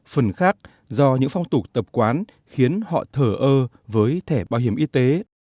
phần khác do những phong tục tập quán khiến họ thở ơ với thẻ bảo hiểm y tế